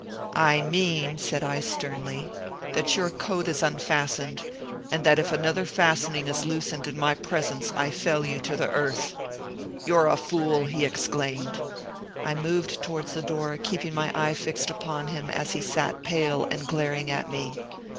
"I mean," said I, sternly, "that your coat is unfastened, and that if another fastening is loosened in my presence, I fell you to the earth." "You're a fool!" he exclaimed. I moved towards the door, keeping my eye fixed upon him as he sat pale and glaring at me.